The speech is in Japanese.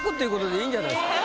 良いんじゃないっすか。